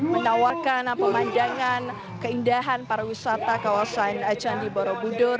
menawarkan pemandangan keindahan para wisata kawasan candi borobudur